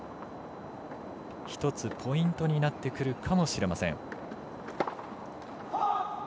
１つポイントになってくるかもしれません。